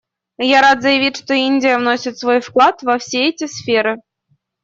Я рад заявить, что Индия вносит свой вклад во все эти сферы.